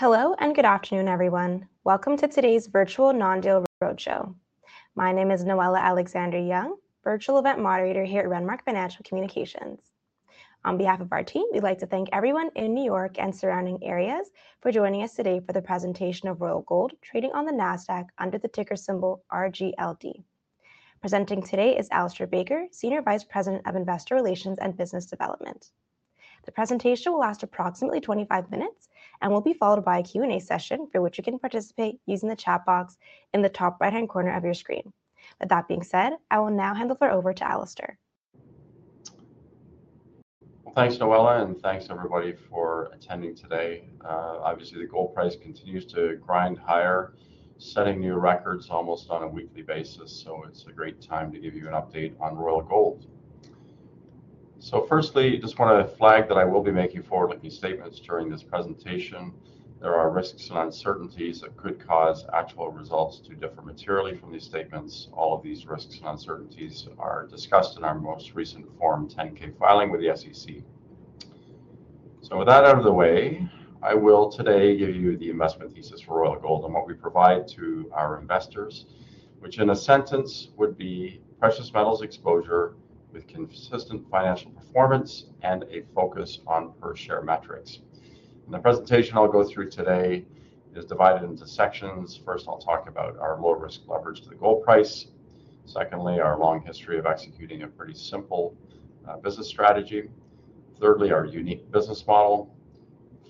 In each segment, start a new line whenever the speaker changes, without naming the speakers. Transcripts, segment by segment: Hello and good afternoon everyone. Welcome to today's Virtual Non-Deal Roadshow. My name is Noella Alexander-Young, Virtual Event Moderator here at Renmark Financial Communications. On behalf of our team, we'd like to thank everyone in New York and surrounding areas for joining us today for the presentation of Royal Gold trading on the NASDAQ under the ticker symbol RGLD. Presenting today is Alistair Baker, Senior Vice President of Investor Relations and Business Development. The presentation will last approximately 25 minutes and will be followed by a Q&A session for which you can participate using the chat box in the top right hand corner of your screen. With that being said, I will now hand the floor over to Alistair.
Thanks Noella. Thanks everybody for attending today. Obviously the gold price continues to grind higher, setting new records almost on a weekly basis. It is a great time to give you an update on Royal Gold. Firstly, I just want to flag that I will be making forward looking statements during this presentation. There are risks and uncertainties that could cause actual results to differ materially from these statements. All of these risks and uncertainties are discussed in our most recent Form 10-K filing with the SEC. With that out of the way, I will today give you the investment thesis for Royal Gold and what we provide to our investors, which in a sentence would be precious metals exposure with consistent financial performance and a focus on per share metrics. The presentation I will go through today is divided into sections. First, I'll talk about our low risk leverage to the gold price. Secondly, our long history of executing a pretty simple business strategy. Thirdly, our unique business model.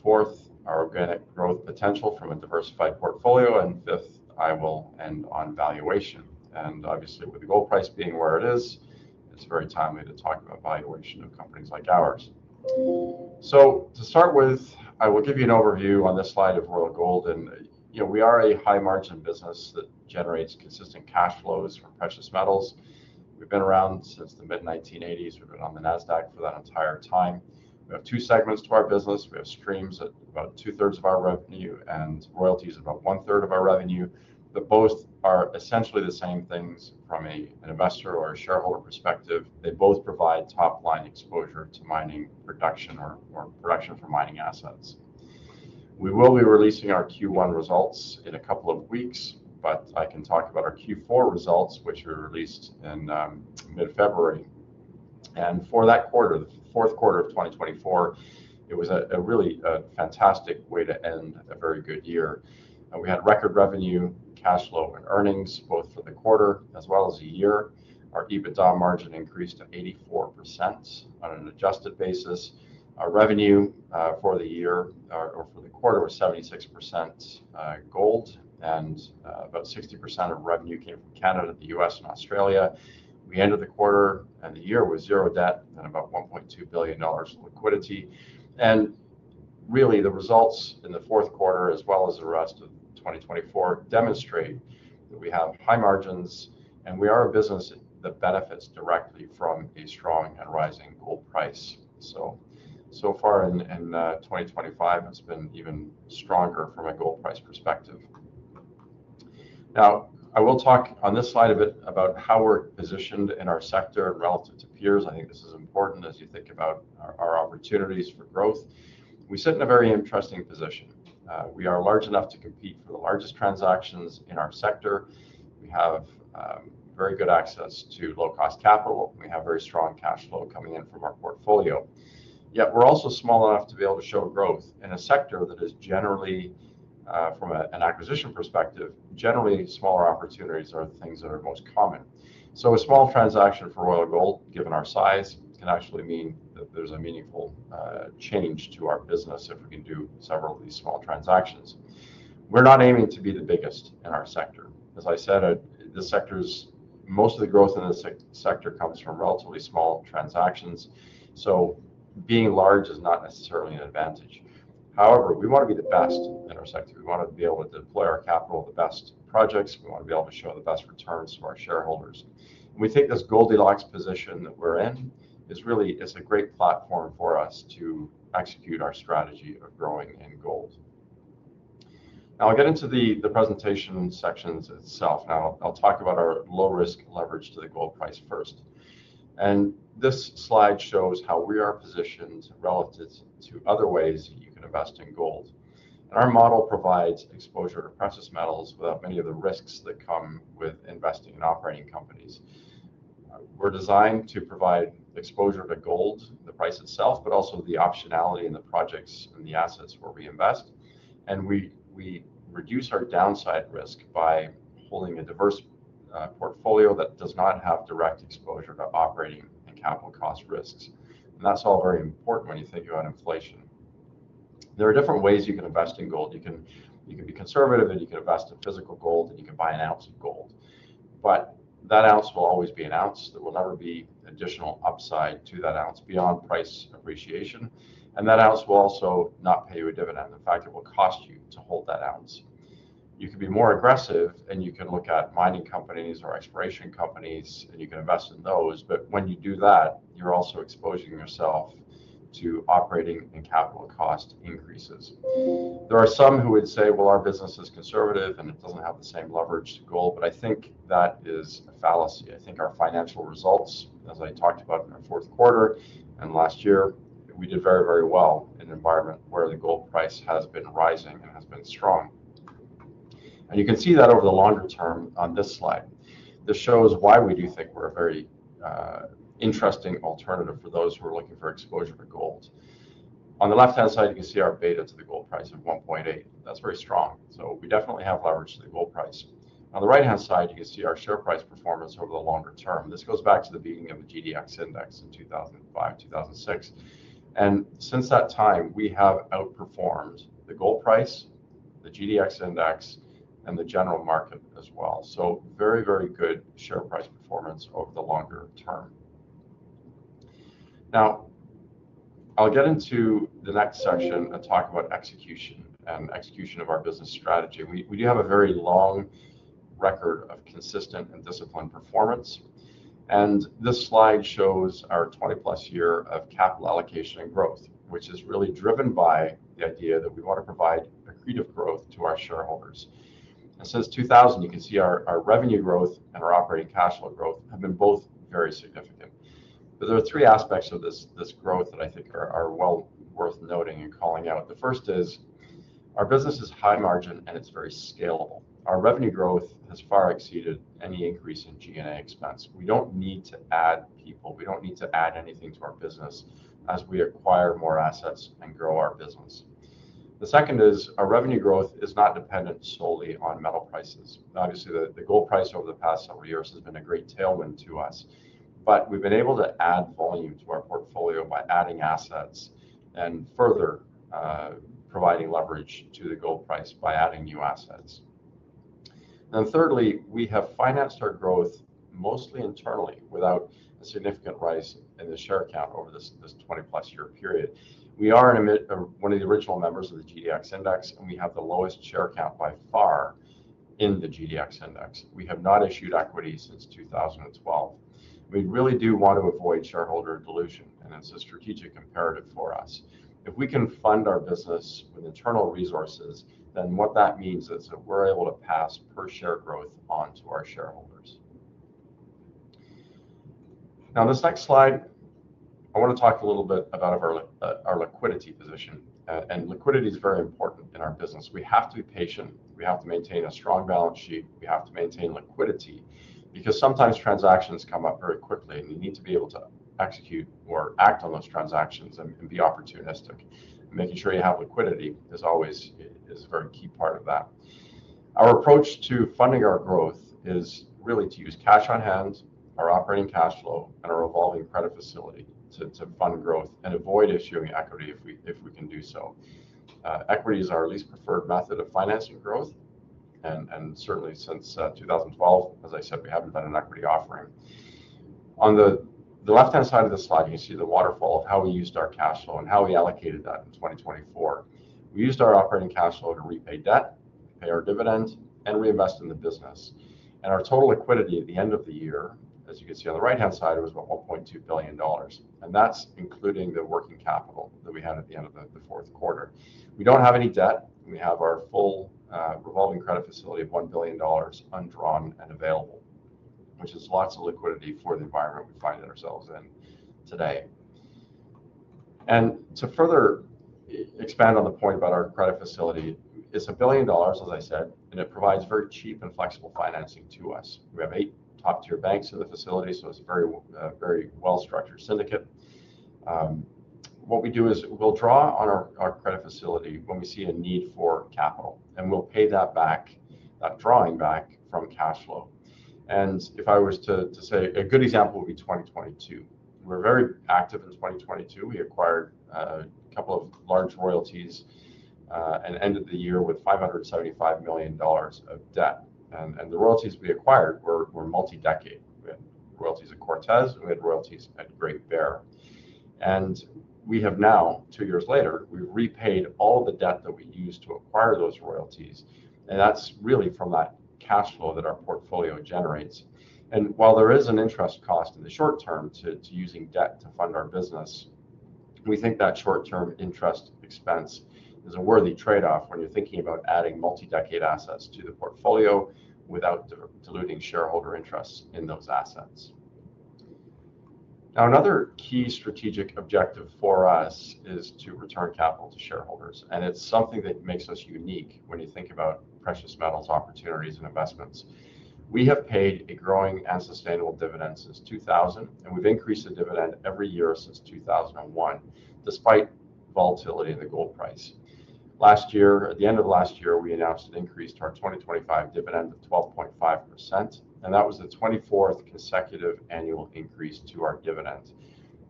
Fourth, our organic growth potential from a diversified portfolio. Fifth, I will end on valuation. Obviously with the gold price being where it is, it's very timely to talk about valuation of companies like ours. To start with, I will give you an overview on this slide of Royal Gold. You know, we are a high margin business that generates consistent cash flows from precious metals. We've been around since the mid-1980s. We've been on the NASDAQ for that entire time. We have two segments to our business. We have streams at about two thirds of our revenue and royalties about one third of our revenue. Both are essentially the same things from an investor or a shareholder perspective. They both provide top line exposure to mining production or production for mining assets. We will be releasing our Q1 results in a couple of weeks, but I can talk about our Q4 results which are released in mid February. For that quarter, the fourth quarter of 2024, it was a really fantastic way to end a very good year. We had record revenue, cash flow and earnings both for the quarter as well as the year. Our EBITDA margin increased to 84% on an adjusted basis. Our revenue for the year or for the quarter was 76% gold. About 60% of revenue came from Canada, the US and Australia. We ended the quarter and the year with zero debt and about $1.2 billion liquidity. The results in the fourth quarter as well as the rest of 2024 demonstrate that we have high margins and we are a business that benefits directly from a strong and rising gold price. So far in 2025, it has been even stronger from a gold price perspective. Now I will talk on this slide a bit about how we are positioned in our sector relative to peers. I think this is important as you think about our opportunities for growth. We sit in a very interesting position. We are large enough to compete for the largest transactions in our sector. We have very good access to low cost capital. We have very strong cash flow coming in from our portfolio. Yet we're also small enough to be able to show growth in a sector that is generally from an acquisition perspective, generally smaller opportunities are the things that are most common. A small transaction for Royal Gold, given our size, can actually mean that there's a meaningful change to our business if we can do several of these small transactions. We're not aiming to be the biggest in our sector. As I said, most of the growth in the sector comes from relatively small transactions. Being large is not necessarily an advantage. However, we want to be the best in our sector. We want to be able to deploy our capital to the best projects. We want to be able to show the best returns to our shareholders. We think this Goldilocks position that we're in is really, it's a great platform for us to execute our strategy of growing in gold. Now I'll get into the presentation sections. Now I'll talk about our low risk leverage to the gold price first. This slide shows how we are positioned relative to other ways you can invest in gold. Our model provides exposure to precious metals without many of the risks that come with investing in operating companies. We're designed to provide exposure to gold, the price itself, but also the optionality in the projects and the assets where we invest. We reduce our downside risk by holding a diverse portfolio that does not have direct exposure to operating and capital cost risks. That's all very important when you think about inflation, there are different ways you can invest in gold. You can be conservative and you can invest in physical gold and you can buy an ounce of gold, but that ounce will always be an ounce. There will never be additional upside to that ounce beyond price appreciation. That ounce will also not pay you a dividend. In fact, it will cost you to hold that ounce. You can be more aggressive and you can look at mining companies or exploration companies and you can invest in those. When you do that, you're also exposing yourself to operating and capital cost increases. There are some who would say, well, our business is conservative and it doesn't have the same leverage to gold. I think that is a fallacy. I think our financial results, as I talked about in our fourth quarter and last year, we did very, very well in an environment where the gold price has been rising and has been strong. You can see that over the longer term on this slide. This shows why we do think we're a very interesting alternative for those who are looking for exposure to gold. On the left hand side you can see our beta to the gold price of 1.8. That's very strong. We definitely have largely gold price. On the right hand side you can see our share price performance over the longer term. This goes back to the beating of the GDX index in 2005, 2006, and since that time we have outperformed the gold price, the GDX index and the general market as well. Very, very good share price performance over the longer term. Now I'll get into the next session and talk about execution and execution of our business strategy. We do have a very long record of consistent and disciplined performance. This slide shows our 20 plus year of capital allocation and growth, which is really driven by the idea that we want to provide accretive growth to our shareholders. Since 2000, you can see our revenue growth and our operating cash flow growth have been both very significant. There are three aspects of this growth that I think are well worth noting and calling out. The first is our business is high margin and it's very scalable. Our revenue growth has far exceeded any increase in G&A expense. We do not need to add people, we do not need to add anything to our business as we acquire more assets and grow our business. The second is our revenue growth is not dependent solely on metal prices. Obviously the gold price over the past several years has been a great tailwind to us, but we have been able to add volume to our portfolio by adding assets and further providing leverage to the gold price by adding new assets. Thirdly, we have financed our growth mostly internally without a significant rise in the share count over this 20 plus year period. We are one of the original members of the GDX index and we have the lowest share count by far in the GDX index. We have not issued equity since 2012. We really do want to avoid shareholder dilution and it is a strategic imperative for us. If we can fund our business with internal resources, then what that means is that we're able to pass per share growth on to our shareholders. Now this next slide, I want to talk a little bit about our liquidity position. Liquidity is very important in our business. We have to be patient, we have to maintain a strong balance sheet, we have to maintain liquidity because sometimes transactions come up very quickly and you need to be able to execute or act on those transactions and be opportunistic. Making sure you have liquidity is always a very key part of that. Our approach to funding our growth is really to use cash on hand, our operating cash flow and our revolving credit facility to fund growth and avoid issuing equity if we can do so. Equity is our least preferred method of financing growth. Certainly since 2012, as I said, we haven't done an equity offering. On the left hand side of the slide you see the waterfall of how we used our cash flow and how we allocated that in 2024. We used our operating cash flow to repay debt, repay our dividend and reinvest in the business. Our total liquidity at the end of the year, as you can see on the right hand side, was about $1.2 billion. That is including the working capital that we had at the end of the fourth quarter. We don't have any debt. We have our full revolving credit facility of $1 billion, undrawn and available, which is lots of liquidity for the environment we find ourselves in today. To further expand on the point about our credit facility, it's a billion dollars as I said and it provides very cheap and flexible financing to us. We have eight top tier banks in the facility. It is a very, very well structured syndicate. What we do is we'll draw on our credit facility when we see a need for capital and we'll pay that back, that drawing back from cash flow. If I was to say a good example would be 2022, we were very active in 2022. We acquired a couple of large royalties and ended the year with $575 million of debt. The royalties we acquired were multi decade royalties at Cortez and we had royalties at Great Bear. We have now, two years later, repaid all the debt that we used to acquire those royalties. That is really from that cash flow that our portfolio generates. While there is an interest cost in the short term to using debt to fund our business, we think that short term interest expense is a worthy trade off when you are thinking about adding multi decade assets to the portfolio without diluting shareholder interest in those assets. Another key strategic objective for us is to return capital to shareholders. It is something that makes us unique when you think about precious metals opportunities and investments. We have paid a growing and sustainable dividend since 2000, and we have increased the dividend every year since 2001, despite volatility in the gold price last year. At the end of last year, we announced an increase to our 2025 dividend of 12.5%. That was the 24th consecutive annual increase to our dividend.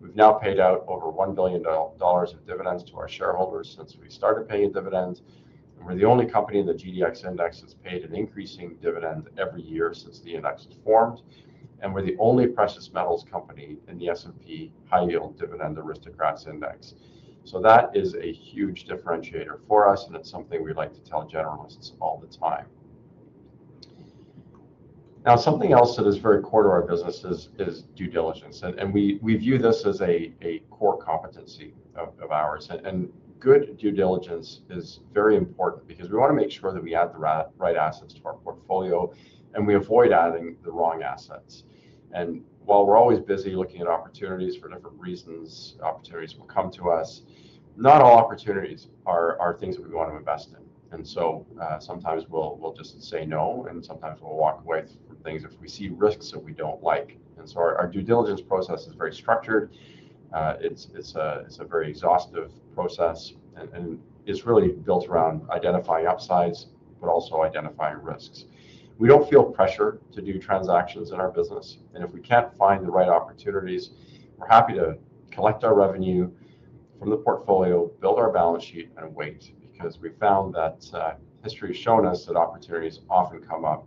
We've now paid out over $1 billion of dividends to our shareholders since we started paying dividends. We're the only company in the GDX Index that's paid an increasing dividend every year since the index was formed. We're the only precious metals company in the S&P High Yield Dividend Aristocrats Index. That is a huge differentiator for us. It's something we like to tell generalists all the time. Now, something else that is very core to our business is due diligence. We view this as a core competency of ours. Good due diligence is very important because we want to make sure that we add the right assets to our portfolio and we avoid adding the wrong assets. While we're always busy looking at opportunities, for different reasons, opportunities will come to us. Not all opportunities are things that we want to invest in. Sometimes we'll just say no, and sometimes we'll walk away from things if we see risks that we don't like. Our due diligence process is very structured. It's a very exhaustive process and it's really built around identifying upsides, but also identifying risks. We don't feel pressure to do transactions in our business. If we can't find the right opportunities, we're happy to collect our revenue from the portfolio, build our balance sheet and wait. We found that history has shown us that opportunities often come up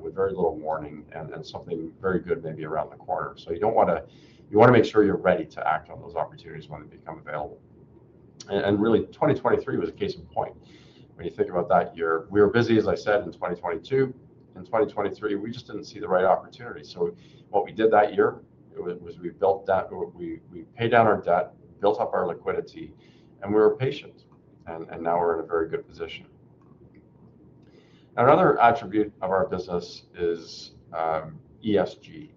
with very little warning and something very good may be around the corner. You want to make sure you're ready to act on those opportunities when they become available. Really, 2023 was a case in point. When you think about that year, we were busy, as I said. In 2022, in 2023, we just did not see the right opportunity. What we did that year was we built that. We paid down our debt, built up our liquidity, and we were patient. Now we are in a very good position. Another attribute of our business is ESG.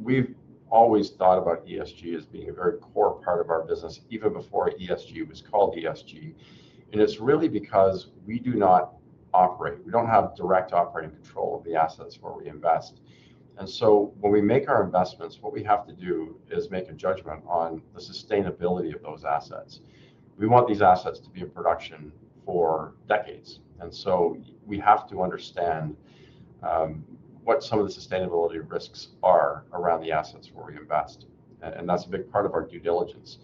We have always thought about ESG as being a very core part of our business, even before ESG was called ESG. It is really because we do not operate, we do not have direct operating control of the assets where we invest. When we make our investments, what we have to do is make a judgment on the sustainability of those assets. We want these assets to be in production for decades. We have to understand what some of the sustainability risks are around the assets where we invest. That is a big part of our due diligence.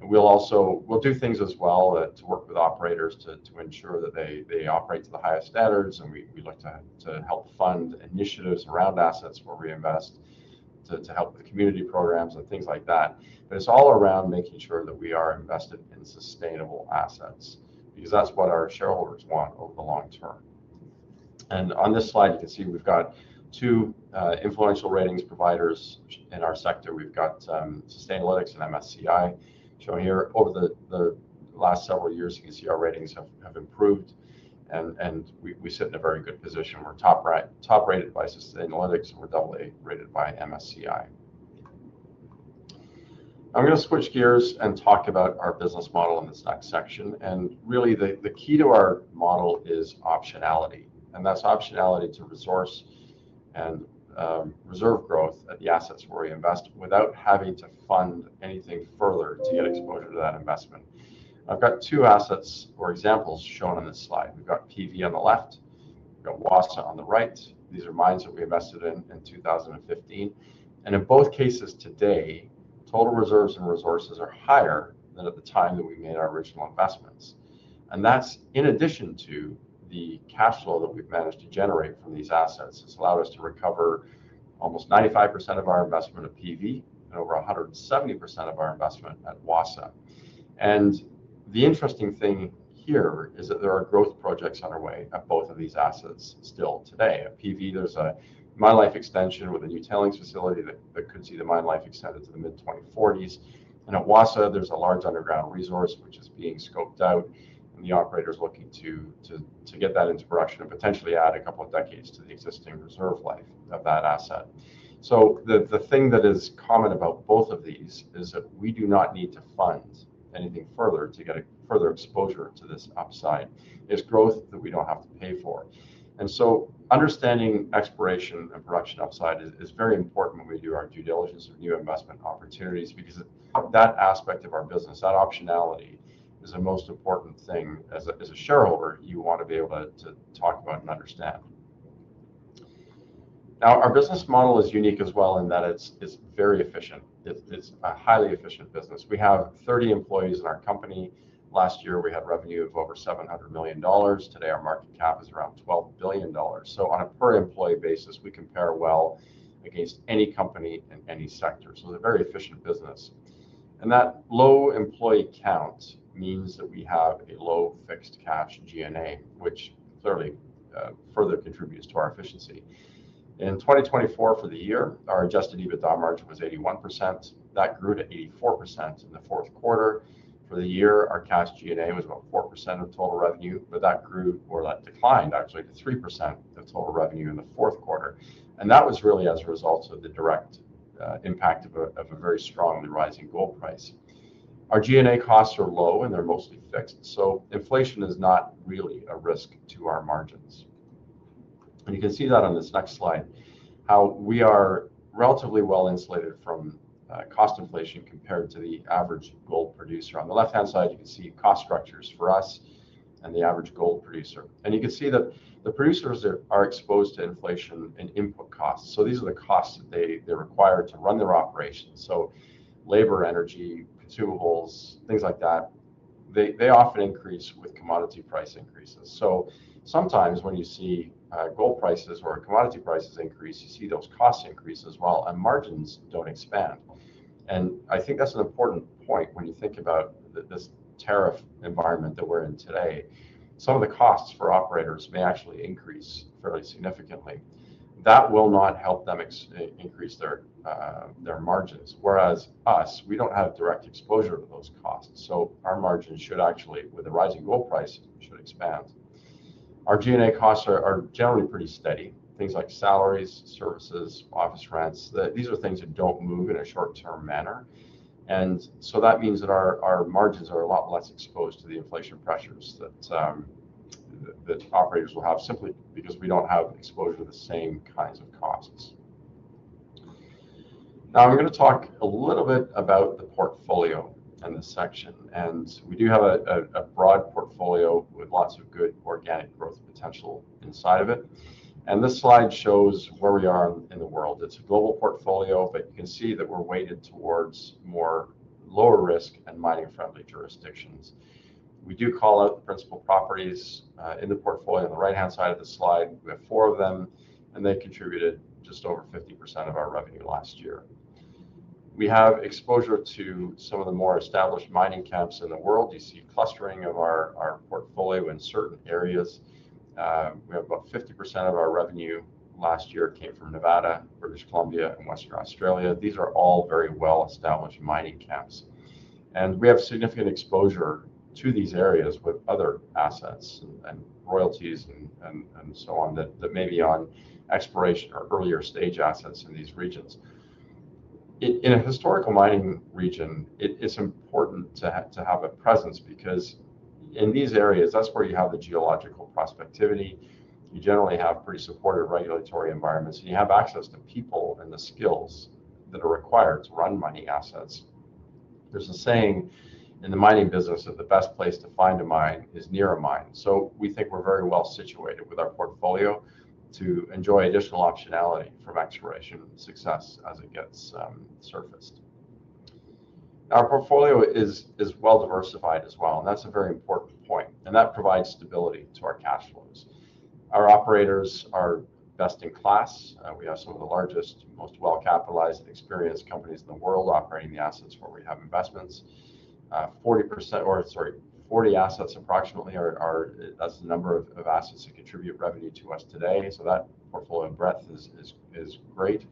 We will also do things as well to work with operators to ensure that they operate to the highest standards. We look to help fund initiatives around assets where we invest, to help the community programs and things like that. It is all around making sure that we are invested in sustainable assets, because that is what our shareholders want over the long term. On this slide, you can see we have two influential ratings providers in our sector. We have Sustainalytics and MSCI shown here. Over the last several years, you can see our ratings have improved and we sit in a very good position. We are top rated by Sustainalytics. We are doubly rated by MSCI. I'm going to switch gears and talk about our business model in this next section. The key to our model is optionality, and that's optionality to resource and reserve growth at the assets where we invest without having to fund anything further to get exposure to that investment. I've got two assets or examples shown on this slide. We've got PV on the left, Wassa on the right. These are mines that we invested in in 2015. In both cases today, total reserves and resources are higher than at the time that we made our original investments. That's in addition to the cash flow that we've managed to generate from these assets. It's allowed us to recover almost 95% of our investment at PV and over 170% of our investment at Wassa. The interesting thing here is that there are growth projects underway at both of these, these assets still today. At PV, there is a mine life extension with a new tailings facility that could see the mine life extended to the mid-2040s. At Wassa, there is a large underground resource which is being scoped out and the operator is looking to get that into production and potentially add a couple of decades to the existing reserve life of that asset. The thing that is common about both of these is that we do not need to fund anything further to get a further exposure to this. Upside is growth that we do not have to pay for. Understanding exploration and production upside is very important when we do our due diligence or new investment opportunities. That aspect of our business, that optionality, is the most important thing. As a shareholder, you want to be able to talk about and understand. Now our business model is unique as well in that it's very efficient. It's a highly efficient business. We have 30 employees in our company. Last year we had revenue of over $700 million. Today our market cap is around $12 billion. On a per employee basis, we compare well against any company in any sector. They're very efficient business. That low employee count means that we have a low fixed cash G&A which clearly further contributes to our efficiency. In 2024, for the year, our adjusted EBITDA margin was 81%. That grew to 84% in the fourth quarter. For the year, our cash G&A was about 4% of total revenue, but that declined actually to 3% of total revenue in the fourth quarter. That was really as a result of the direct impact of a very strongly rising gold price. Our G&A costs are low and they're mostly fixed. Inflation is not really a risk to our margins. You can see that on this next slide, how we are relatively well insulated from cost inflation compared to the average gold producer. On the left hand side you can see cost structures for us and the average gold producer. You can see that the producers are exposed to inflation and input costs. These are the costs that they require to run their operations. Labor, energy, consumables, things like that, they often increase with commodity price increases. Sometimes when you see gold prices or commodity prices increase, you see those costs increase as well and margins do not expand. I think that's an important point. When you think about this tariff environment that we're in today, some of the costs for operators may actually increase fairly significantly. That will not help them increase their, their margins. Whereas us, we don't have direct exposure to those costs. Our margins should actually, with the rising gold price, should expand. Our G&A costs are generally pretty steady. Things like salaries, services, office rents. These are things that don't move in a short term manner. That means that our margins are a lot less exposed to the inflation pressures that operators will have simply because we don't have exposure. Exposure, the same kinds of costs. Now I'm going to talk a little bit about the portfolio and the section. We do have a broad portfolio with lots of good organic growth potential inside of it. This slide shows where we are in the world. It's a global portfolio, but you can see that we're weighted towards more lower risk and mining friendly jurisdictions. We do call out the principal port properties in the portfolio on the right hand side of the slide with four of them and they contributed just over 50% of our revenue last year. We have exposure to some of the more established mining camps in the world. You see clustering of our portfolio in certain areas. We have about 50% of our revenue last year came from Nevada, British Columbia and Western Australia. These are all very well established mining camps and we have significant exposure to these areas with other assets and royalties and so on that may be on exploration or earlier stage assets in these regions. In a historical mining region it's important to have a presence because in these areas that's where you have the geological prospectivity, you generally have pretty supportive regulatory environments and you have access to people and the skills that are required to run mining assets. There's a saying in the mining business of the best place to find a mine is near a mine. We think we're very well situated with our portfolio to enjoy additional optionality from exploration success as it gets surfaced. Our portfolio is well diversified as well and that's a very important point and that provides stability to our cash flows. Our operators are best in class. We have some of the largest, most well capitalized and experienced companies in the world operating the assets where we have investments, 40 assets approximately are. That's the number of assets that contribute revenue to us today. That portfolio breadth is great.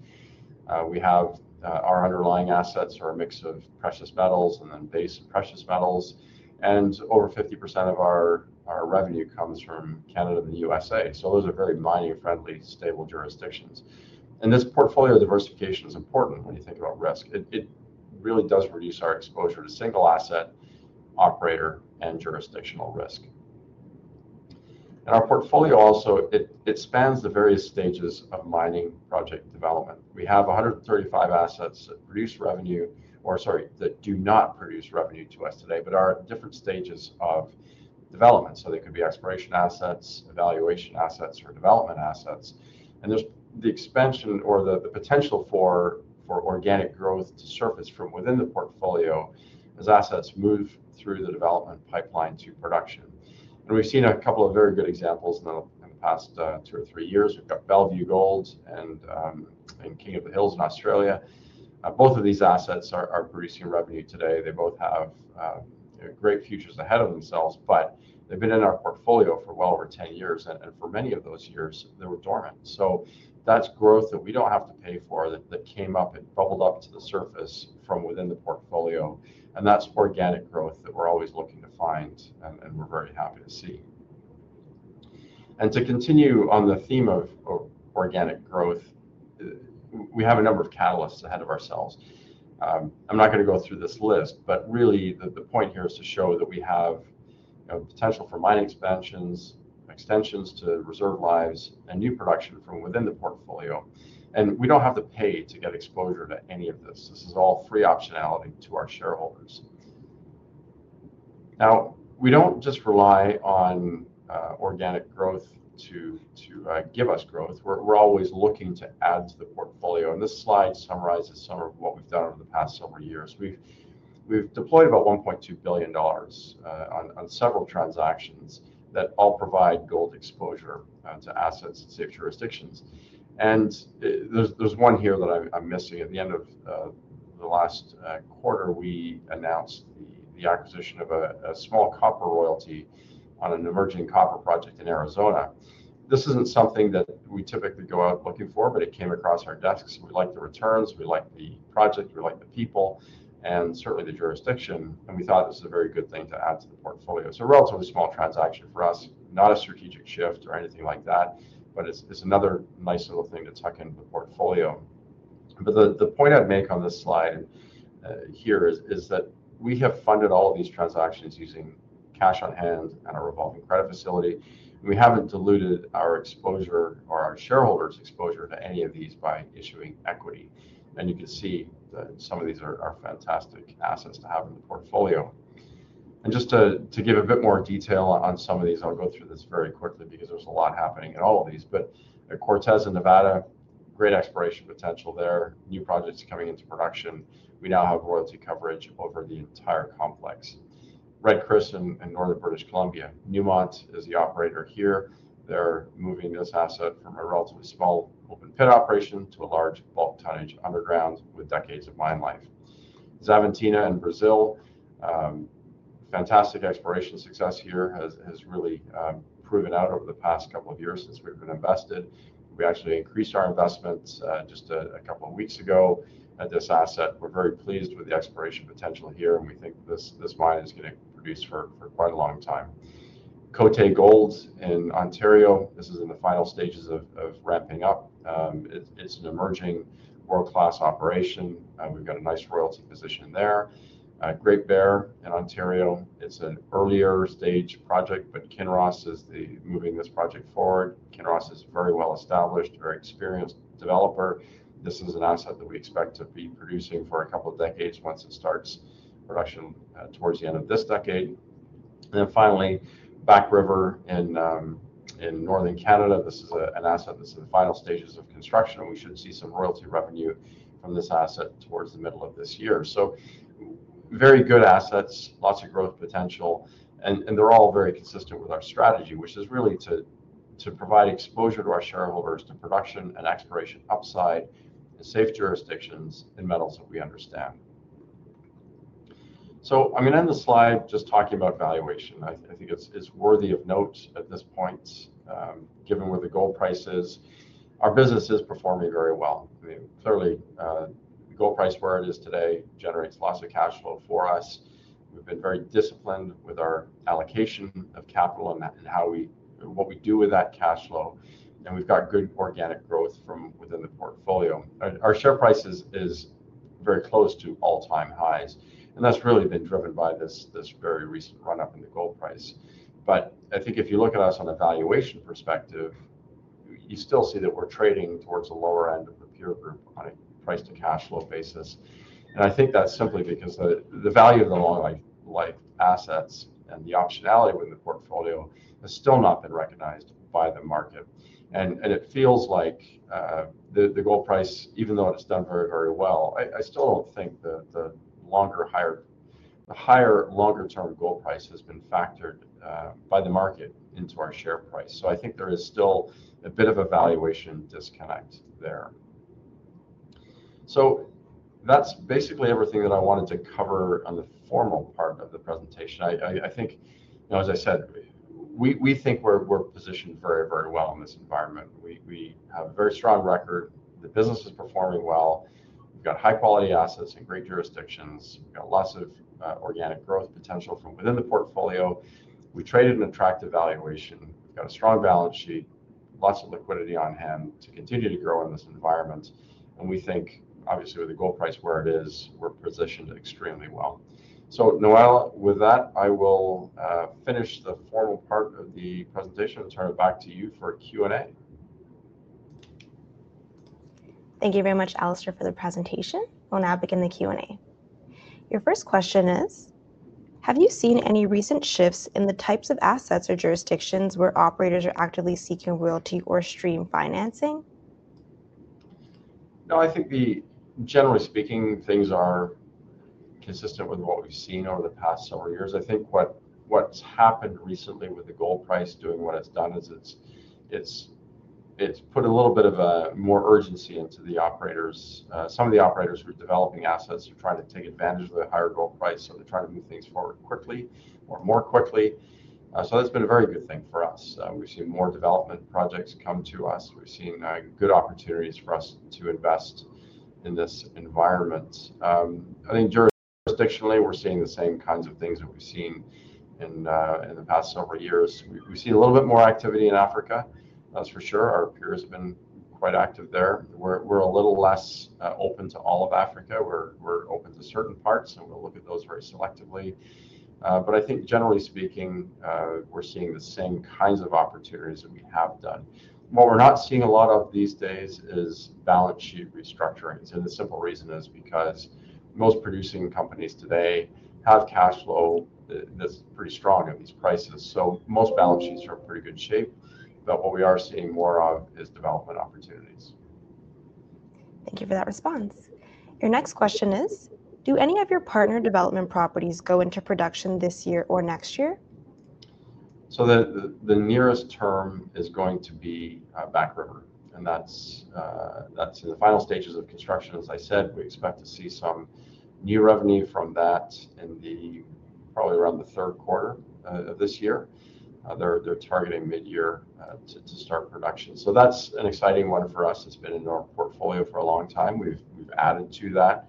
We have, our underlying assets are a mix of precious metals and then base and precious metals. Over 50% of our revenue comes from Canada and the US. Those are very mining friendly, stable jurisdictions. This portfolio diversification is important when you think about risk. It really does reduce our exposure to single asset operator and jurisdictional risk. Our portfolio also spans the various stages of mining project development. We have 135 assets that do not produce revenue to us today but are at different stages of development. They could be exploration assets, evaluation assets, or development assets. There is the expansion or the potential for organic growth to surface from within the portfolio as assets move through the development pipeline to production. We have seen a couple of very good examples in the past two or three years. We have Bellevue Gold and King of the Hills in Australia. Both of these assets are producing revenue today. They both have great futures ahead of themselves, but they have been in our portfolio for well over 10 years and for many of those years they were dormant. That is growth that we do not have to pay for. That came up, it bubbled up to the surface from within the portfolio. That is organic growth that we are always looking to find. We are very happy to see it. To continue on the theme of organic growth, we have a number of catalysts ahead of ourselves. I'm not going to go through this list, but really the point here is to show that we have potential for mine expansions, extensions to reserve lives, and new production from within the portfolio. We do not have to pay to get exposure to any of this. This is all free optionality to our shareholders. Now, we do not just rely on organic growth to give us growth. We are always looking to add to the portfolio. This slide summarizes some of what we have done over the past several years. We have deployed about $1.2 billion on several transactions that all provide gold exposure to assets in safe jurisdictions. There is one here that I am missing. At the end of the last quarter, we announced the acquisition of a small copper royalty on an emerging copper project in Arizona. This isn't something that we typically go out looking for, but it came across our desks. We like the returns, we like the project, we like the people and certainly the jurisdiction. We thought this is a very good thing to add to the portfolio. It is a relatively small transaction for us, not a strategic shift or anything like that, but it's another nice little thing to tuck into the portfolio. The point I'd make on this slide here is that we have funded all of these transactions using cash on hand and a revolving credit facility. We haven't diluted our exposure or our shareholders' exposure to any of these by issuing equity. You can see that some of these are fantastic assets to have in the portfolio. To give a bit more detail on some of these, I'll go through this very quickly because there's a lot happening in all of these. At Cortez in Nevada, great exploration potential there. New projects coming into production. We now have royalty coverage over the entire complex. Red Chris in northern British Columbia. Newmont is the operator here. They're moving this asset from a relatively small open pit operation to a large bulk tonnage underground with decades of mine life. Xavantina in Brazil. Fantastic exploration success here. Has really proven out over the past couple of years since we've been invested. We actually increased our investments just a couple of weeks ago at this asset. We're very pleased with the exploration potential here and we think this mine is going to produce for quite a long time. Côé Gold in Ontario, this is in the final stages of ramping up. It's an emerging world class operation and we've got a nice royalty position there. Great Bear in Ontario, it's an earlier stage project but Kinross is moving this project forward. Kinross is very well established, very experienced developer. This is an asset that we expect to be producing for a couple of decades once it starts production towards the end of this decade. Finally, Back River in northern Canada, this is an asset that's in fact final stages of construction. We should see some royalty revenue from this asset towards the middle of this year. Very good assets, lots of growth potential and they're all very consistent with our strategy which is really to provide exposure to our shareholders to production and exploration upside, safe jurisdictions, in metals that we understand. I'm going to end the slide just talking about valuation. I think it's worthy of note at this point given where the gold price is. Our business is performing very well. I mean clearly the gold price where it is today generates lots of cash flow for us. We've been very disciplined with our allocation of capital and what we do with that cash flow and we've got good organic growth from within the portfolio. Our share price is very close to all time highs and that's really been driven by this very recent run up in the gold price. I think if you look at us on a valuation perspective, you still see that we're trading towards the lower end of the peer group on a price to cash flow basis. I think that's simply because the value of the long life assets and the optionality within the portfolio has still not been recognized by the market. It feels like the gold price, even though it has done very, very well, I still don't think that the higher, longer term gold price has been factored by the market into our share price. I think there is still a bit of evaluation disconnect there. That's basically everything that I wanted to cover on the formal part of the presentation. I think as I said, we think we're positioned very, very well in this environment. We have a very strong record, the business is performing well. We've got high quality assets in great jurisdictions, lots of organic growth potential from within the portfolio. We traded at an attractive valuation, we've got a strong balance sheet, lots of liquidity on hand to continue to grow in this environment and we think obviously with the gold price where it is, we're positioned extremely well. Noel, with that I will finish the formal part of the presentation and turn it back to you for Q&A.
Thank you very much Alistair for the presentation. We'll now begin the Q&A. Your first question is have you seen any recent shifts in the types of assets or jurisdictions where operators are actively seeking royalty or stream financing?
No, I think generally speaking things are consistent with what we've seen over the past several years. I think quite what, what's happened recently with the gold price doing what it's done is it's put a little bit of a more urgency into the operators. Some of the operators who are developing assets are trying to take advantage of the higher gold price. They're trying to move things forward quickly or more quickly. That's been a very good thing for us. We've seen more development projects come to us. We've seen good opportunities for us to invest in this environment. I think jurisdictionally we're seeing the same kinds of things that we've seen in the past several years. We see a little bit more activity in Africa, that's for sure. Our peers have been quite active there. We're a little less open to all of Africa. We're open to certain parts and we'll look at those very selectively. I think generally speaking we're seeing the same kinds of opportunities that we have done. What we're not seeing a lot of these days is balance sheet restructuring. The simple reason is because most producing companies today have cash flow that's pretty strong at these prices. Most balance sheets are in pretty good shape. What we are seeing more of is development opportunities.
Thank you for that response. Your next question is do any of your partner development properties go into production this year or next year?
The nearest term is going to be Back River and that's in the final stages of construction. As I said, we expect to see some new revenue from that in probably around the third quarter of this year. They're targeting mid year to start production. That's an exciting one for us. It's been in our portfolio for a long time. We've added to that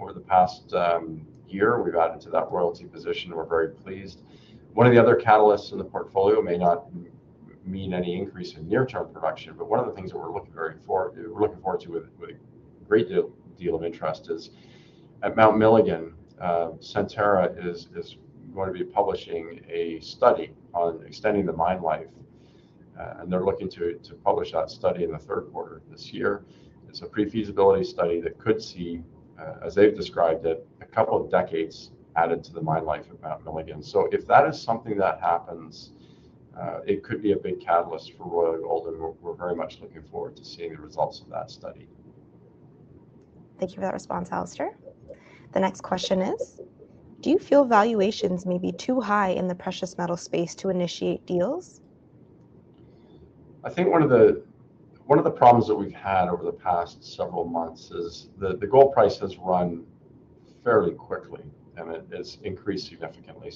over the past year. We've added to that royalty position. We're very pleased. One of the other catalysts in the portfolio may not mean any increase in near term production but one of the things that we're looking forward to with a great deal of interest is at Mount Milligan. Centerra is going to be publishing a study on extending the mine life and they're looking to publish that study in the third quarter this year. It's a pre-feasibility study that could see, as they've described it, a couple of decades added to the mine life of Mount Milligan. If that is something that happens, it could be a big catalyst for Royal Gold and we're very much looking forward to seeing the results of that study.
Thank you for that response, Alistair. The next question is do you feel valuations may be too high in the precious metal space to initiate deals?
I think one of the problems that we've had over the past several months is the gold price has run fairly quickly and it's increased significantly.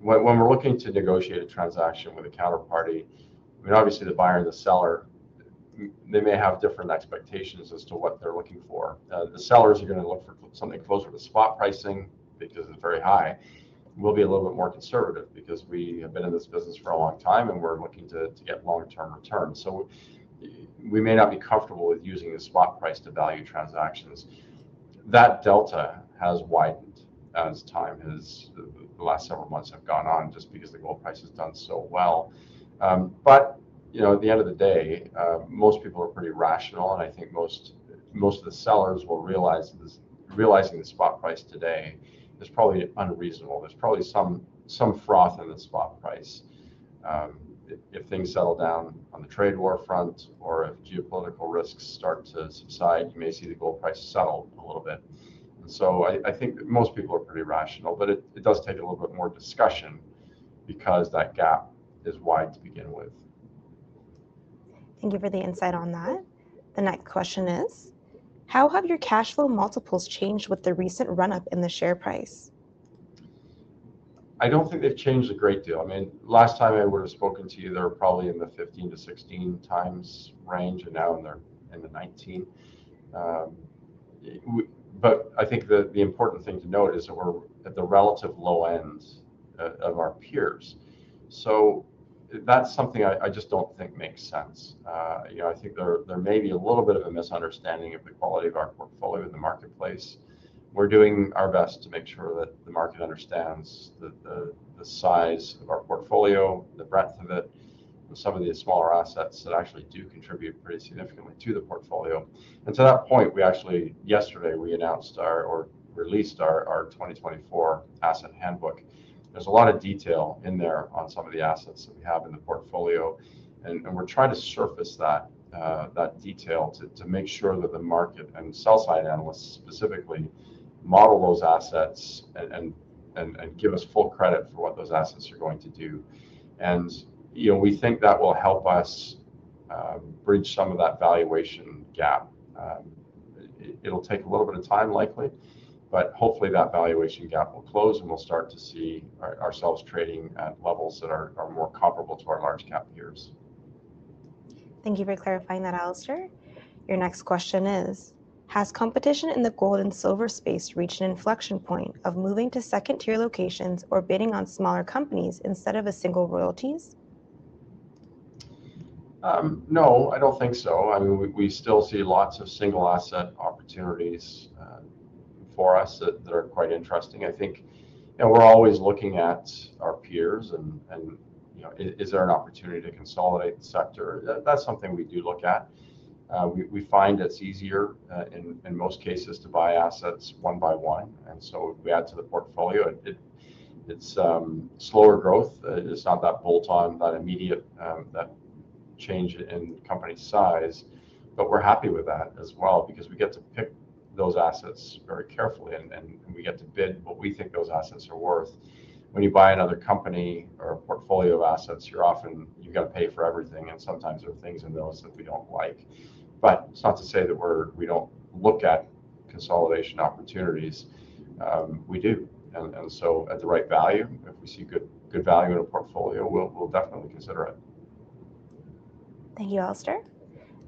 When we're looking to negotiate a transaction with a counterparty, obviously the buyer and the seller may have different expectations as to what they're looking for. The sellers are going to look for something closer to spot pricing because it's very high. We'll be a little bit more conservative because we have been in this business for a long time and we're looking to get long term return. We may not be comfortable with using the spot price to value transactions. That delta has widened as time has, the last several months have gone on just because the gold price has done so well. You know, at the end of the day most people are pretty rational and I think most of the sellers will realize this. Realizing the spot price today is probably unreasonable. There is probably some froth in the spot price. If things settle down on the trade war front or if geopolitical risks start to subside, you may see the gold price settle a little bit. I think most people are pretty rational, but it does take a little bit more discussion because that gap is wide to begin with.
Thank you for the insight on that. The next question is how have your cash flow multiples changed with the recent run up in the share price?
I don't think they've changed a great deal. I mean last time I would have spoken to you they were probably in the 15-16 times range and now they're in the 19. I think the important thing to note is that we're at the relative low end of our peers. That's something I just don't think makes sense. I think there may be a little bit of a misunderstanding of the quality of our portfolio in the marketplace. We're doing our best to make sure that the market understands the size of our portfolio, the breadth of it. Some of these smaller assets that actually do contribute pretty significantly to the portfolio. To that point, yesterday we announced or released our 2024 asset handbook. There's a lot of detail in there on some of the assets that we have in the portfolio, and we're trying to surface that detail to make sure that the market and sell side analysts specifically model those assets and give us full credit for what those assets are going to do. We think that will help us bridge some of that valuation gap. It'll take a little bit of time likely, but hopefully that valuation gap will close and we'll start to see ourselves trading at levels that are more comparable to our large cap peers.
Thank you for clarifying that, Alistair. Your next question is, has competition in the gold and silver space reached an inflection point of moving to second tier locations or bidding on smaller companies instead of a single royalties?
No, I do not think so. I mean we still see lots of single asset opportunities for us that are quite interesting. I think we are always looking at our peers and is there an opportunity to consolidate the sector? That is something we do look at. We find it is easier in most cases to buy assets one by one and so we add to the portfolio. It is slower growth, it is not that bolt on, that immediate, that change in company size. We are happy with that as well because we get to pick those assets very carefully and we get to bid what we think those assets are worth. When you buy another company or a portfolio of assets, you are often, you have got to pay for everything and sometimes there are things in those that we do not like. It is not to say that we do not look at consolidation opportunities. We do. At the right value, if we see good value in a portfolio, we'll definitely consider it.
Thank you, Alistair.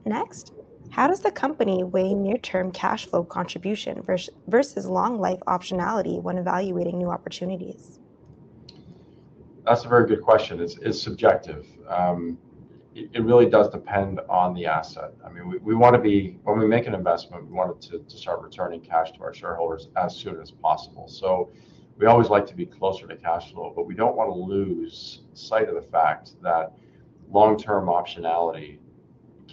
Next, how does the company weigh near term cash flow contribution versus long life optionality when evaluating new opportunities?
That's a very good question. It's subjective. It really does depend on the asset. I mean we want to be, when we make an investment we want it to start returning cash to our shareholders as soon as possible. We always like to be closer to cash flow but we don't want to lose sight of the fact that long term optionality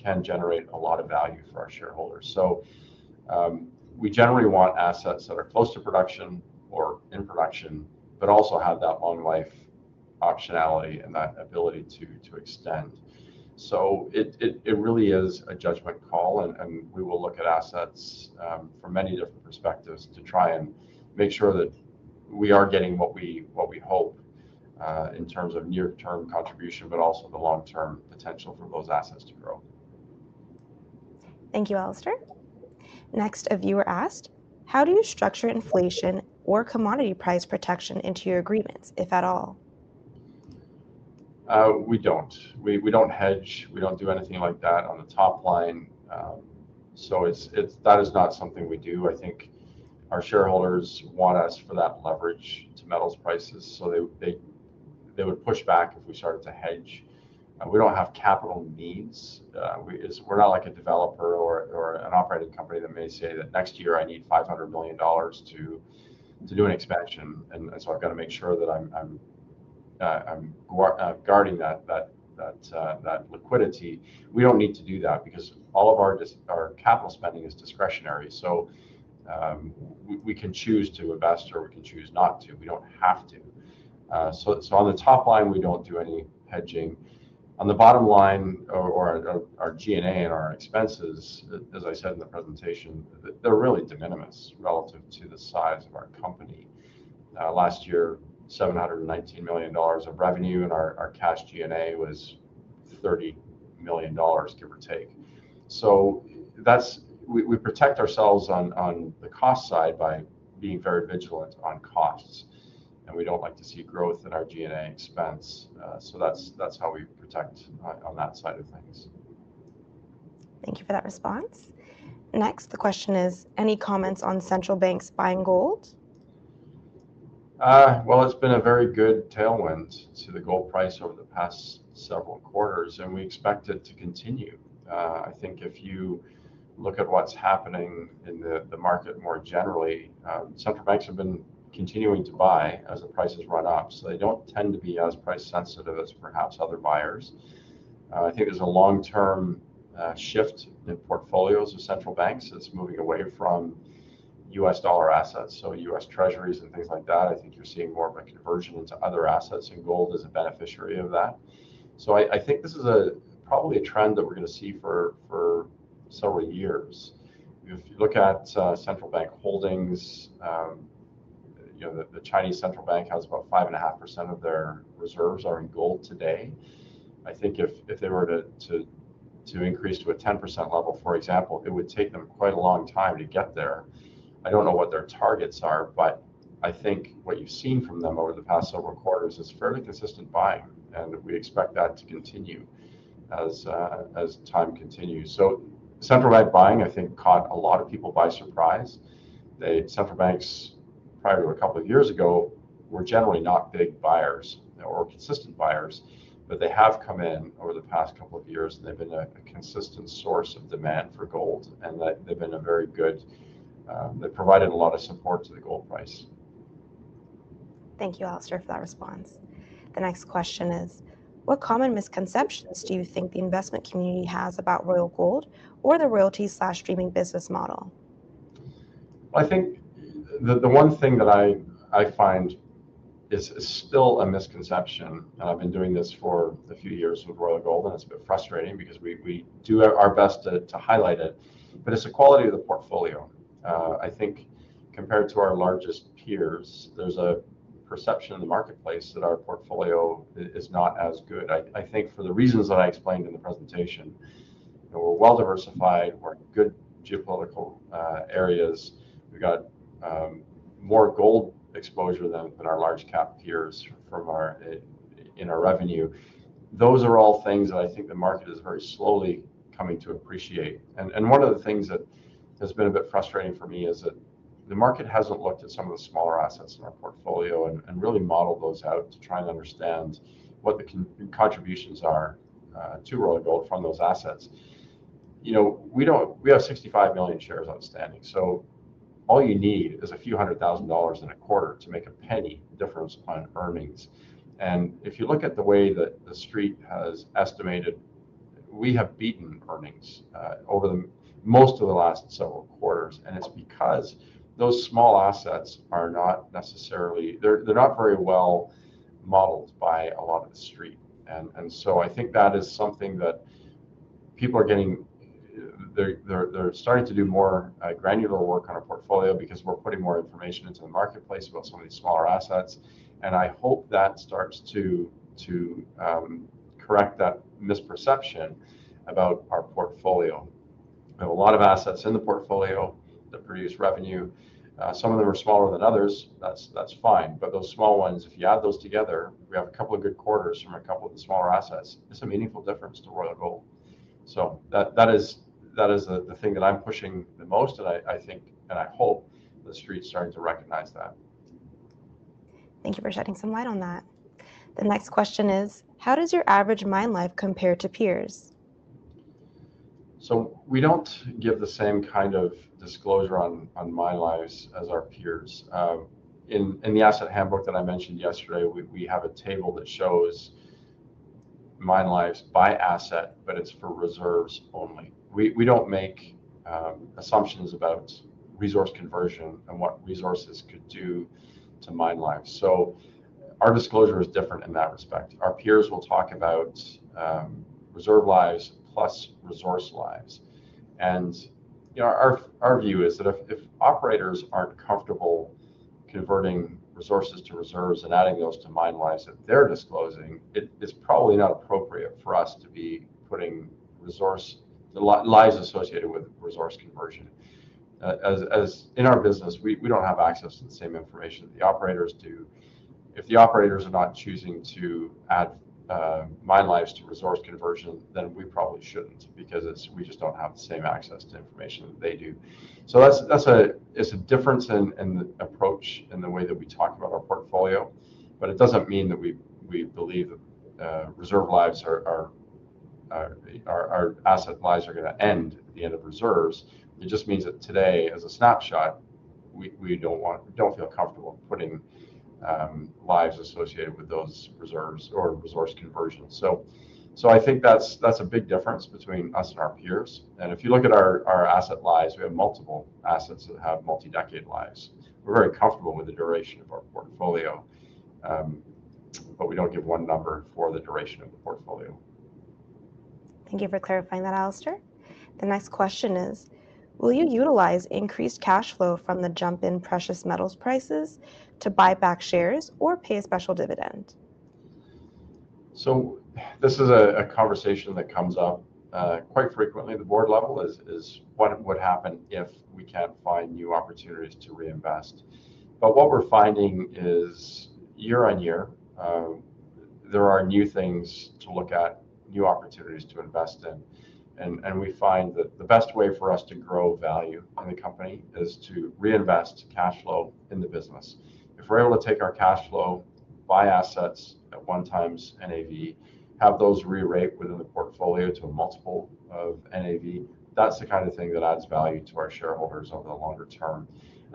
can generate a lot of value for our shareholders. We generally want assets that are close to production or in production but also have that long life optionality and that ability to extend. It really is a judgment call and we will look at assets from many different perspectives to try and make sure that we are getting what we hope in terms of near term contribution but also the long term potential for those assets to grow.
Thank you, Alistair. Next, a viewer asked how do you structure inflation or commodity price protection into your agreements if at all?
We do not hedge. We do not do anything like that on the top line. That is not something we do. I think our shareholders want us for that leverage to metals prices, so they would push back if we started to hedge. We do not have capital needs. We are not like a developer or an operating company that may say that next year I need $500 million to do an expansion and so I have to make sure that I am guarding that liquidity. We do not need to do that because all of our capital spending is discretionary. We can choose to invest or we can choose not to. We do not have to. On the top line we do not do any hedging. On the bottom line, our G&A and our expenses, as I said in the presentation, they are really de minimis relative to the size of our company. Last year, $719 million of revenue and our cash G&A was $30 million, give or take. We protect ourselves on the cost side by being very vigilant on costs and we do not like to see growth in our G&A expense. That is how we protect on that side of things.
Thank you for that response. Next, the question is any comments on central banks buying gold?
It's been a very good tailwind to the gold price over the past several quarters and we expect it to continue. I think if you look at what's happening in the market more generally, central banks have been continuing to buy as the prices run up, so they don't tend to be as price sensitive as perhaps other buyers. I think there's a long term shift in portfolios of central banks. It's moving away from U.S. dollar assets, so U.S. treasuries and things like that. I think you're seeing more of a conversion into other assets and gold is a beneficiary of that. I think this is probably a trend that we're going to see for several years. If you look at central bank holdings, the Chinese central bank has about 5.5% of their reserves in gold today. I think if they were to increase to a 10% level for example, it would take them quite a long time to get there. I do not know what their targets are but I think what you have seen from them over the past several quarters is fairly consistent buying and we expect that to continue as time continues. Central bank buying I think caught a lot of people by surprise. The central banks prior to a couple of years ago were Generally not big buyers or consistent buyers but they have come in over the past couple of years and they have been a consistent source of demand for gold and they have been a very good, they provided a lot of support to the gold price.
Thank you Alistair for that response. The next question is what common misconceptions do you think the investment community has about Royal Gold or the royalty streaming business model?
I think the one thing that I find is still a misconception and I've been doing this for a few years with Royal Gold and it's a bit frustrating because we do our best to highlight it, but it's the quality of the portfolio I think compared to our largest peers. There's a perception in the marketplace that our portfolio is not as good. I think for the reasons that I explained in the presentation. We're well diversified, we're in good geopolitical areas, we've got more gold exposure than our large cap peers in our revenue. Those are all things that I think the market is very slowly coming to appreciate. One of the things that has been a bit frustrating for me is that the market has not looked at some of the smaller assets in our portfolio and really modeled those out to try and understand what the contributions are to Royal Gold from those assets. You know, we do not. We have 65 million shares outstanding. All you need is a few hundred thousand dollars in a quarter to make a penny difference on earnings. If you look at the way that the Street has estimated, we have beaten earnings over most of the last several quarters. It is because those small assets are not necessarily, they are not very well modeled by a lot of the Street. I think that is something that people are getting. They're starting to do more granular work on a portfolio because we're putting more information into the marketplace about some of these smaller assets. I hope that starts to correct that misperception about our portfolio. We have a lot of assets in the portfolio that produce revenue. Some of them are smaller than others, that's fine. Those small ones, if you add those together, we have a couple of good quarters from a couple of the smaller assets. It's a meaningful difference to Royal Gold. That is the thing that I'm pushing the most, and I think, and I hope the Street's starting to recognize that.
Thank you for shedding some light on that. The next question is, how does your average mine life compare to peers?
We do not give the same kind of disclosure on mine lives as our peers. In the asset handbook that I mentioned yesterday, we have a table that shows mine lives by asset, but it is for reserves only. We do not make assumptions about resource conversion and what resources could do to mine lives. Our disclosure is different in that respect. Our peers will talk about reserve lives plus resource lives. You know, our view is that if operators are not comfortable converting resources to reserves and adding those to mine lives that they are disclosing, it is probably not appropriate for us to be putting resource lives associated with resource conversion. As in our business, we do not have access to the same information the operators do. If the operators are not choosing to add mine lives to resource conversion, then we probably shouldn't because we just don't have the same access to information that they do. That's a difference in the approach in the way that we talk about our portfolio. It doesn't mean that we believe that reserve lives or our asset lives are going to end at the end of reserves. It just means that today, as a snapshot, we don't feel comfortable putting lives associated with those reserves or resource conversions. I think that's a big difference between us and our peers. If you look at our asset lives, we have multiple assets that have multi decade lives. We're very comfortable with the duration of our portfolio, but we don't give one number for the duration of the portfolio.
Thank you for clarifying that, Alistair. The next question is will you utilize increased cash flow from the jump in precious metals prices to buy back shares or pay a special dividend?
This is a conversation that comes up quite frequently at the board level: what would happen if we can't find new opportunities to reinvest. What we're finding is year on year there are new things to look at, new opportunities to invest in. We find that the best way for us to grow value in the company is to reinvest cash flow in the business. If we're able to take our cash flow, buy assets at one times NAV Have those re-rate within the portfolio to a multiple of NAV, that's the kind of thing that adds value to our shareholders over the longer term.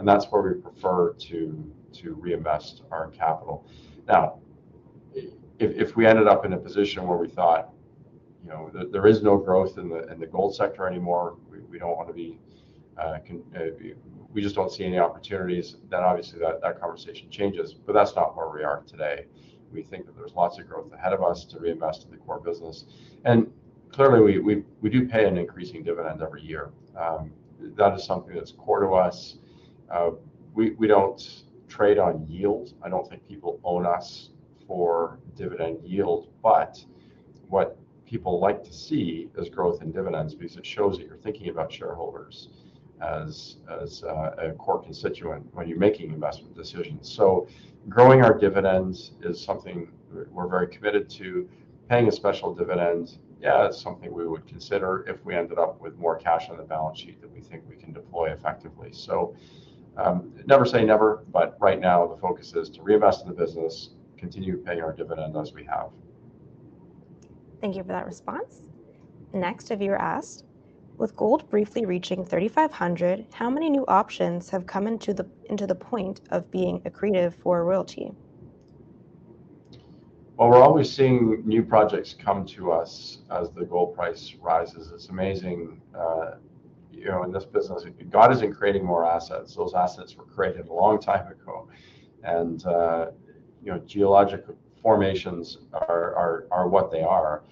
That's where we prefer to reinvest our capital. Now if we ended up in a position where we thought, you know, there is no growth in the gold sector anymore, we do not want to be, we just do not see any opportunities, that conversation changes. That is not where we are today. We think that there is lots of growth ahead of us to reinvest in the core business. Clearly we do pay an increasing dividend every year. That is something that is core to us. We do not trade on yield. I do not think people own us for dividend yield. What people like to see is growth in dividends because it shows that you are thinking about shareholders as a core constituent when you are making investment decisions. Growing our dividends is something we are very committed to paying a special dividend. Yeah, it's something we would consider if we ended up with more cash on the balance sheet that we think we can deploy effectively. Never say never. Right now the focus is to reinvest in the business, continue paying our dividend as we have.
Thank you for that response. Next, a viewer asked, with gold briefly reaching $3,500, how many new options have come into the point of being accretive for royalty?
We're always seeing new projects come to us as the gold price rises. It's amazing, you know, in this business, God isn't creating more assets. Those assets were created a long time ago and, you know, geological formations are what they are.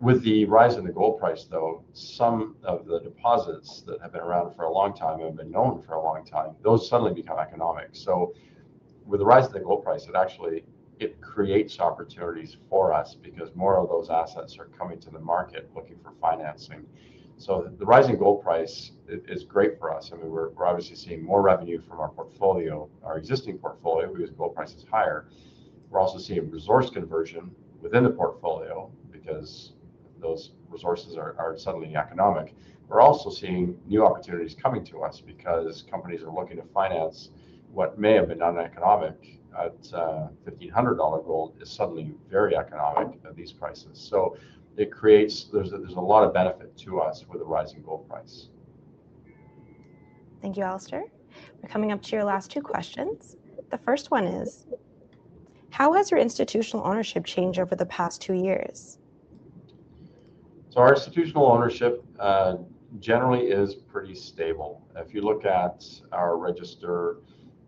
With the rise in the gold price, though, some of the deposits that have been around for a long time, have been known for a long time, those suddenly become economic. With the rise of the gold price, it actually creates opportunities for us because more of those assets are coming to the market looking for financing. The rising gold price is great for us. I mean, we're obviously seeing more revenue from our portfolio, our existing portfolio, because gold price is higher. We're also seeing resource conversion within the portfolio because those resources are suddenly economic. We're also seeing new opportunities coming to us because companies are looking to finance what may have been uneconomic at $1,500. Gold is suddenly very economic at these prices. It creates, there's a lot of benefit to us with a rising gold price.
Thank you. Alistair, we're coming up to your last two questions. The first one is how has your institutional ownership changed over the past two years?
Our institutional ownership generally is pretty stable. If you look at our register,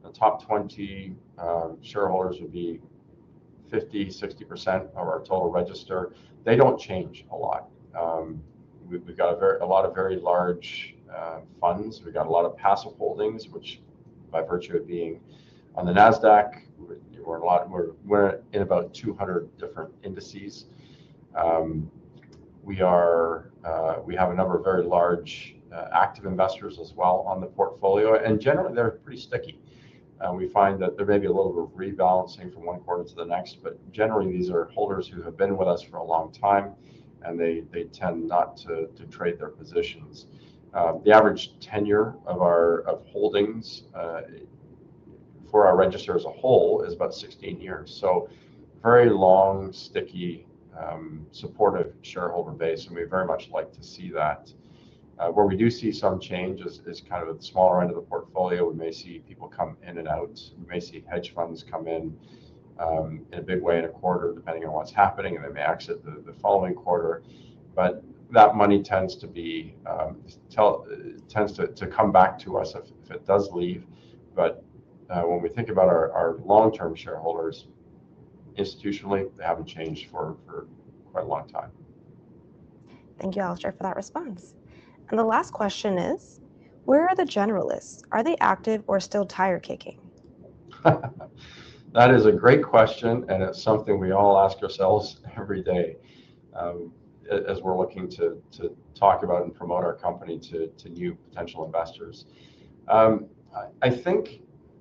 the top 20 shareholders would be 50-60% of our total register. They do not change a lot. We have a lot of very large funds, we have a lot of passive holdings which by virtue of being on the NASDAQ, we are in about 200 different indices. We have a number of very large active investors as well on the portfolio and generally they are pretty sticky. We find that there may be a little bit of rebalancing from one quarter to the next, but generally these are holders who have been with us for a long time and they tend not to trade their positions. The average tenure of our holdings for our register as a whole is about 16 years. Very long, sticky, supportive shareholder base. We very much like to see that. Where we do see some change is kind of the smaller end of the portfolio. We may see people come in and out, we may see hedge funds come in in a big way in a quarter depending on what's happening, and they may exit the following quarter. That money tends to come back to us if it does leave. When we think about our long term shareholders institutionally, they haven't changed for quite a long time.
Thank you, Alistair, for that response. The last question is where are the generalists? Are they active or still tire kicking?
That is a great question and it's something we all ask ourselves every day as we're looking to talk about and promote our company to new potential investors. I think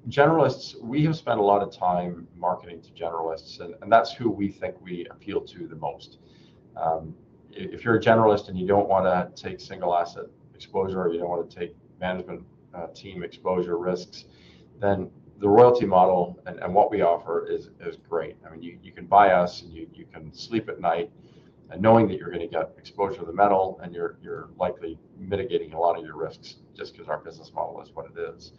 generalists, we have spent a lot of time marketing to generalists, and that's who we think we appeal to the most. If you're a generalist and you don't want to take single asset exposure or you don't want to take management team exposure risks, then the royalty model and, and what we offer is great. I mean, you can buy us and you can sleep at night knowing that you're going to get exposure to the metal and you're likely mitigating a lot of your risks just because our business model is what it is.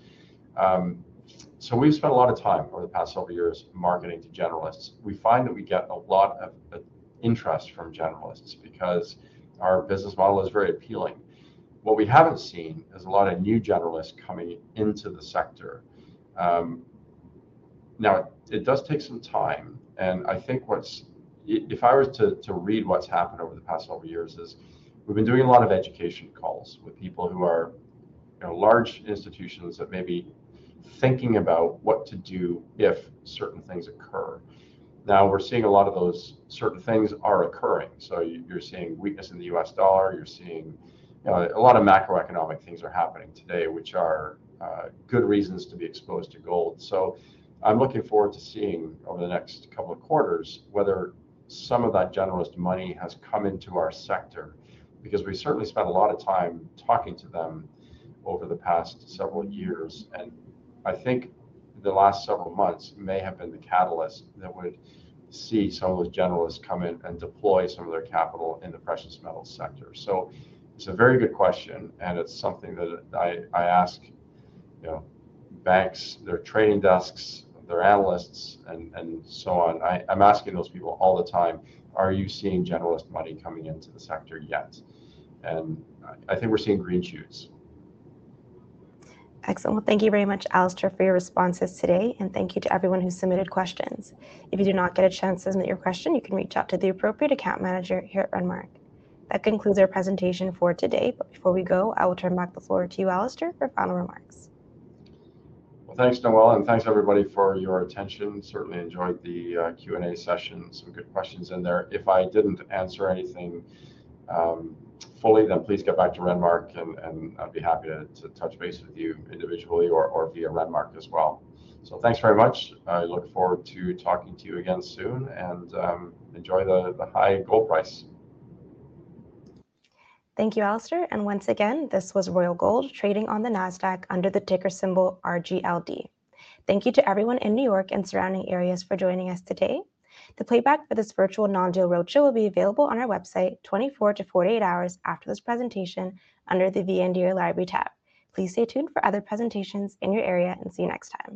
So we've spent a lot of time over the past several years marketing to generalists. We find that we get a lot of interest from generalists because our business model is very appealing. What we have not seen is a lot of new generalists coming into the sector now. It does take some time. I think if I were to read what has happened over the past several years, we have been doing a lot of education calls with people who are large institutions that may be thinking about what to do if certain things occur. Now we are seeing a lot of those certain things are occurring. You are seeing weakness in the U.S. dollar. You are seeing a lot of macroeconomic things are happening today which are good reasons to be exposed to gold. I'm looking forward to seeing over the next couple of quarters whether some of that generalist money has come into our sector because we certainly spent a lot of time talking to them over the past several years. I think the last several months may have been the catalyst that would see some of the generalists come in and deploy. Deploy some of their capital in the precious metals sector. It's a very good question and it's something that I ask banks, their trading desks, their analysts and so on. I'm asking those people all the time, are you seeing generalist money coming into the sector yet? I think we're seeing green shoots.
Excellent. Thank you very much, Alistair, for your responses today and thank you to everyone who submitted questions. If you did not get a chance to submit your question, you can reach out to the appropriate account manager here at Renmark. That concludes our presentation for today. Before we go, I will turn back the floor to you, Alistair, for final remarks.
Thanks, Noel, and thanks everybody for your attention. Certainly enjoyed the Q&A session. Some good questions in there. If I did not answer anything fully, then please get back to Renmark and I'd be happy to touch base with you individually or via Renmark as well. Thanks very much. I look forward to talking to you again soon and enjoy the high gold price.
Thank you, Alistair. Once again, this was Royal Gold trading on the NASDAQ under the ticker symbol RGLD. Thank you to everyone in New York and surrounding areas for joining us today. The playback for this virtual non-deal roadshow will be available on our website 24-48 hours after this presentation under the Video Library tab. Please stay tuned for other presentations in your area and see you next time.